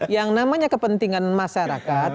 yang namanya kepentingan masyarakat